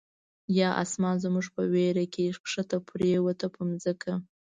یا آسمان زموږ په ویر کی، ښکته پر یووته په ځمکه